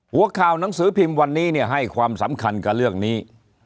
หัวข่าวหนังสือพิมพ์วันนี้เนี่ยให้ความสำคัญกับเรื่องนี้